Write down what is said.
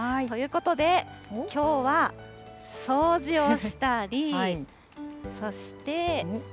ということで、きょうは掃除をしたり、そして。